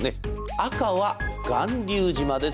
赤は巌流島です。